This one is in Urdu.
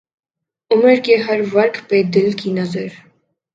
عمر کے ہر ورق پہ دل کی نظر